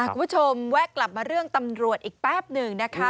แวะกลับมาเรื่องตำรวจอีกแป๊บหนึ่งนะคะ